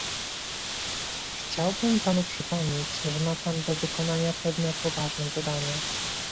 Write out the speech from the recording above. Chciałbym panu przypomnieć, że ma pan do wykonania pewne poważne zadania